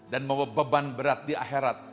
dan membawa beban berat di akhirat